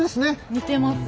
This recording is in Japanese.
似てます。